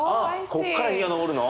ここから日が昇るの？